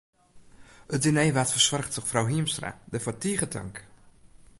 It diner waard fersoarge troch frou Hiemstra, dêrfoar tige tank.